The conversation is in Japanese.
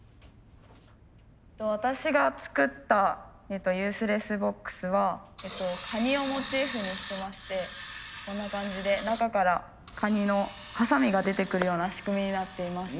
私が作ったユースレスボックスはカニをモチーフにしてましてこんな感じで中からカニのはさみが出てくるような仕組みになっています。